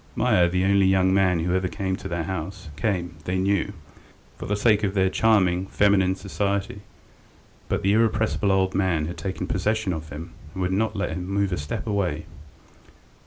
Meier, the only young man who ever came to their house, came they knew for the sake of their charming, feminine society, but the irrepressible old man had taken possession of him, and would not let him move a step away.